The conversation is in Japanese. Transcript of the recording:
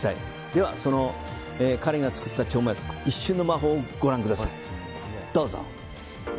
では、その彼が作った一瞬の魔法をご覧ください。